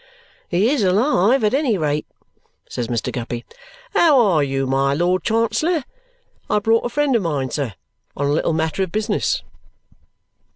"He is alive, at any rate," says Mr. Guppy. "How are you, my Lord Chancellor. I have brought a friend of mine, sir, on a little matter of business."